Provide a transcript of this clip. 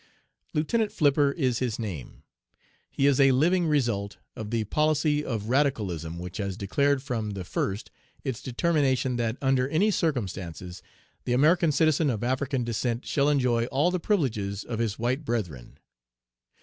"Lieutenant Flipper is his name. He is a living result of the policy of Radicalism which has declared from the first its determination that, under any circumstances, the American citizen of African descent shall enjoy all the privileges of his white brethren.